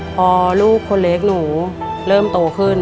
พอลูกคนเล็กหนูเริ่มโตขึ้น